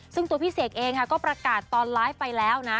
ซึ่งตัวพี่เสกเองค่ะก็ประกาศตอนไลฟ์ไปแล้วนะ